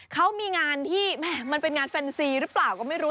เขามีงานที่มันเป็นงานแฟนซีหรือเปล่าก็ไม่รู้